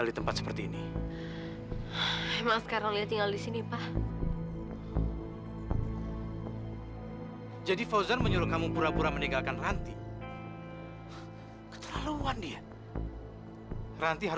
sampai jumpa di video selanjutnya